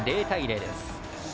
０対０です。